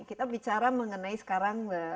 kita bicara mengenai sekarang